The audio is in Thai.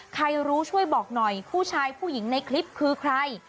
ใครรู้ช่วยบอกหน่อยผู้ชายผู้หญิงในคลิปคือใคร